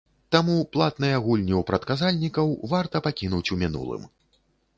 Таму платныя гульні ў прадказальнікаў варта пакінуць у мінулым.